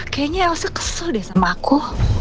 kayaknya elsa kesel deh sama aku